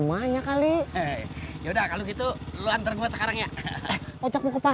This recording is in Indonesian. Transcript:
saksikan film kamu tidak sendiri